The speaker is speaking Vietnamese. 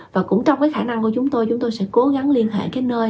và cũng trong cái khả năng của chúng tôi chúng tôi sẽ cố gắng liên hệ cái nơi